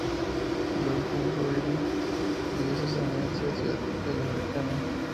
Louis, Missouri, y es de ascendencia asiática y africana.